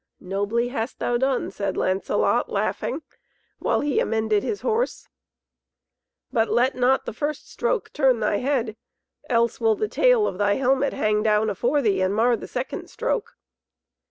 "Nobly hast thou done," said Lancelot, laughing, the while he amended his horse, "but let not the first stroke turn thy head, else will the tail of thy helmet hang down afore thee and mar the second stroke!"